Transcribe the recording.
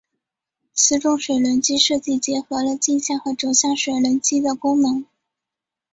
此种水轮机设计结合了径向和轴向水轮机的功能。